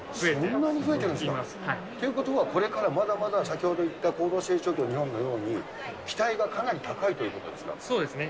そんなに増えてるんですか。ということは、これからまだまだ、先ほど言った高度成長期の日本のように、期待がかなり高いというそうですね。